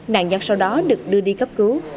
nạn nhân sau đó được đưa đi cấp cứu